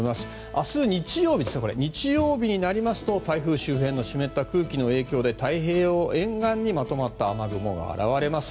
明日、日曜日になりますと台風周辺の湿った空気の影響で太平洋沿岸にまとまった雨雲が現れます。